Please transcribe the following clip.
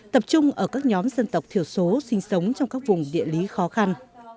tập trung ở các nhóm dân tộc thiểu số sinh sống trong các vùng địa lý khó khăn